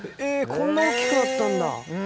こんな大きくなったんだ。